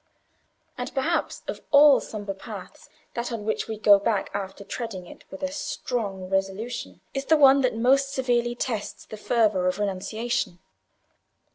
And perhaps of all sombre paths that on which we go back after treading it with a strong resolution is the one that most severely tests the fervour of renunciation.